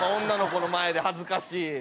女の子の前で恥ずかしい。